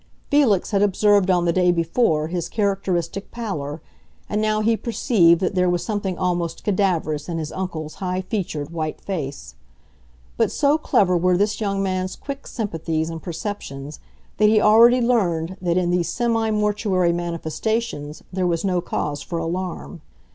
Felix had observed on the day before his characteristic pallor; and now he perceived that there was something almost cadaverous in his uncle's high featured white face. But so clever were this young man's quick sympathies and perceptions that he already learned that in these semi mortuary manifestations there was no cause for alarm.